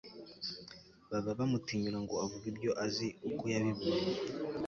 baba bamutinyura ngo avuge ibyo azi, uko yabibonye